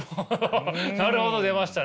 「なるほど」出ましたね。